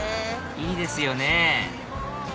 いいですよね